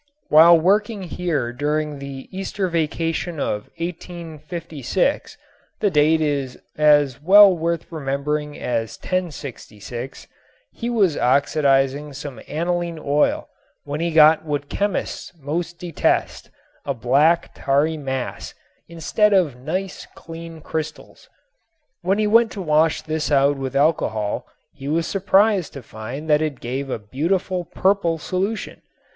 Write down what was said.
While working here during the Easter vacation of 1856 the date is as well worth remembering as 1066 he was oxidizing some aniline oil when he got what chemists most detest, a black, tarry mass instead of nice, clean crystals. When he went to wash this out with alcohol he was surprised to find that it gave a beautiful purple solution.